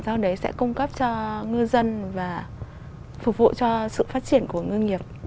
sau đấy sẽ cung cấp cho ngư dân và phục vụ cho sự phát triển của ngư nghiệp